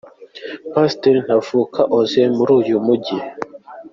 Pasiteri Ntavuka Osee, muri uyu mujyi.